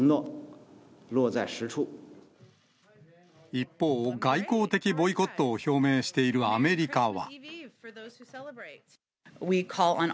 一方、外交的ボイコットを表明しているアメリカは。